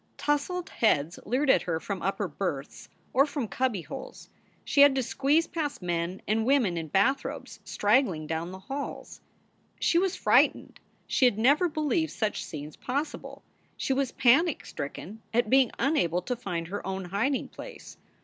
Tousled heads leered at her from upper berths or from cubbyholes. She had to squeeze past men and women in bathrobes straggling down the halls. She was frightened. She had never believed such scenes possible. She was panic stricken at being unable to find her own hiding place.